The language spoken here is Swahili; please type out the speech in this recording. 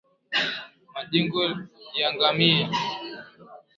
Magonjwa ya Ngamia